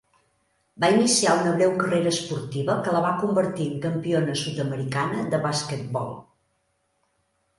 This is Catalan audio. Va iniciar una breu carrera esportiva que la va convertir en campiona sud-americana de basquetbol.